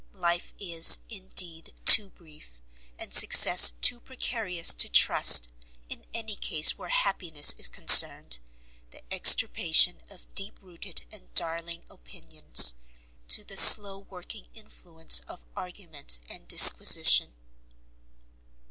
Life is, indeed, too brief, and success too precarious, to trust, in any case where happiness is concerned, the extirpation of deep rooted and darling opinions, to the slow working influence of argument and disquisition.